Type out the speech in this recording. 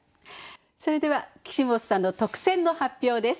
それでは岸本さんの特選の発表です。